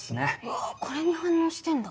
わぁこれに反応してんだ。